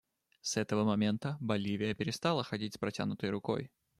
С этого момента Боливия перестала ходить с протянутой рукой.